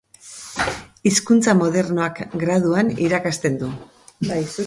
Hizkuntza Modernoak graduan irakasten du.